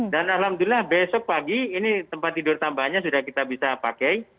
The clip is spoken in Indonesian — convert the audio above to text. dan alhamdulillah besok pagi ini tempat tidur tambahannya sudah kita bisa pakai